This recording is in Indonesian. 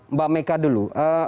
mbak meka dulu